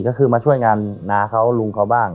ก็คือมาช่วยงานน้าเขาลุงเขาบ้าง